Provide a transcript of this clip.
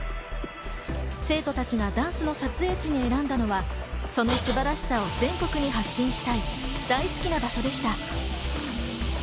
生徒たちがダンスの撮影時に選んだのはその素晴らしさを全国に発信したい、大好きな場所でした。